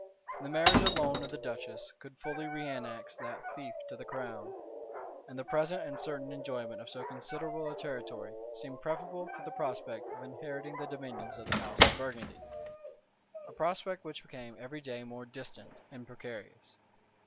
The marriage alone of the duchess could fully reannex that fief to the crown; and the present and certain enjoyment of so considerable a territory, seemed preferable to the prospect of inheriting the dominions of the house of Burgundy; a prospect which became every day more distant and precarious.